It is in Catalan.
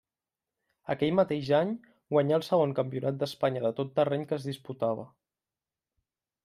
Aquell mateix any, guanyà el segon Campionat d'Espanya de Tot-Terreny que es disputava.